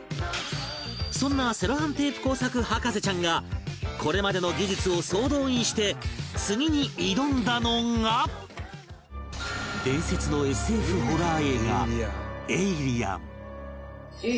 そんなセロハンテープ工作博士ちゃんがこれまでの技術を総動員して次に挑んだのが伝説の ＳＦ ホラー映画